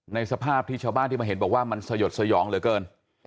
สภาพที่ชาวบ้านที่มาเห็นบอกว่ามันสยดสยองเหลือเกิน